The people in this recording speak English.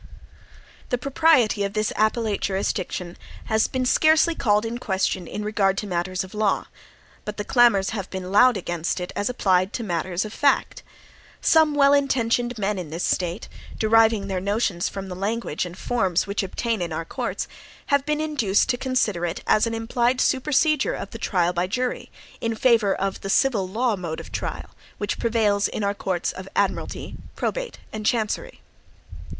The propriety of this appellate jurisdiction has been scarcely called in question in regard to matters of law; but the clamors have been loud against it as applied to matters of fact. Some well intentioned men in this State, deriving their notions from the language and forms which obtain in our courts, have been induced to consider it as an implied supersedure of the trial by jury, in favor of the civil law mode of trial, which prevails in our courts of admiralty, probate, and chancery.